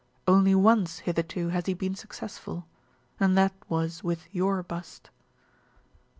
Only once hitherto has he been successful, and that was with your bust."